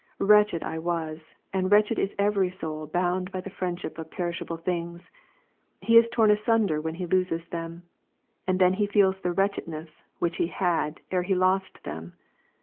Wretched I was ; and wretched is every soul bound by the friendship of perishable things ; he is torn asunder when he loses them, and then he feels the wretchedness, which he had, ere yet he lost them.